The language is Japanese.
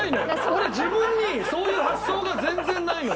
俺自分にそういう発想が全然ないのよ。